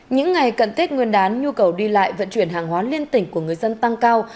những ngày cận tết nguyên đán nhu cầu đi lại vận chuyển hàng hóa liên tỉnh của người dân tăng cao